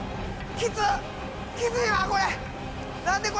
きついわこれ！